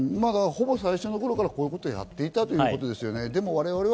ほぼ最初の頃からこういうことをやっていたということですね。